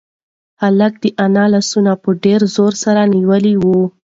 هلک د انا لاسونه په ډېر زور سره نیولي وو.